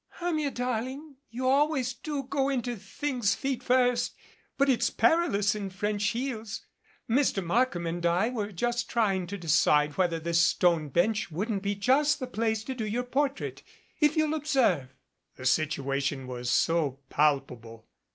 "Hermia, darling, you always do go into things feet first, but it's perilous in French heels. Mr. Markham and I were just trying to decide whether this stone bench wouldn't be just the place to do your portrait. If you'll observe " The situation was so palpable.